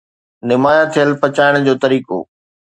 نمايان ٿيل پچائڻ جو طريقو